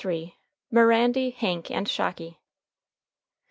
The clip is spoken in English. MIRANDY, HANK, AND SHOCKY.